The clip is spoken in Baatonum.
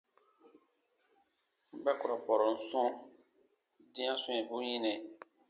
Ba ku ra bɔrɔn sɔ̃ dĩa swɛ̃ɛbu yinɛ.